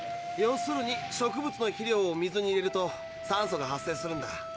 要するに植物の肥料を水に入れると酸素が発生するんだ。